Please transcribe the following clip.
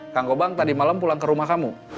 kang gobang tadi malam pulang ke rumah kamu